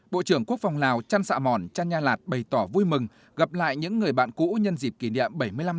bộ trưởng quốc phòng lào trăn xạ mòn trăn nha lạt bày tỏ vui mừng gặp lại những người bạn cũ nhân dịp kỷ niệm